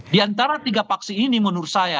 di antara tiga paksi ini menurut saya